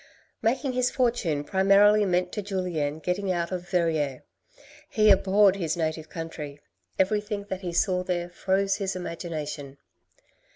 Making his fortune primarily meant to Julien getting out of Verrieres : he abhorred his native country ; everything that he saw there froze his imagination.